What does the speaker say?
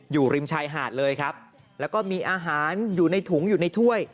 อยู่ริมชายหาดเลยครับแล้วก็มีอาหารอยู่ในถุงอยู่ในถ้วย